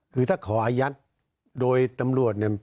คือถ้าขออายัดโดยตำรวจ